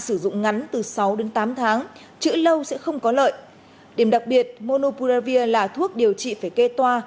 sử dụng ngắn từ sáu đến tám tháng chữ lâu sẽ không có lợi điểm đặc biệt monopuravir là thuốc điều trị phải kê toa